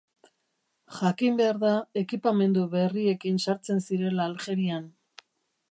Jakin behar da ekipamendu berriekin sartzen zirela Aljerian.